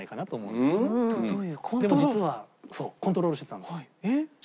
でも実はコントロールしてたんです。